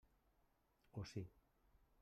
O sí.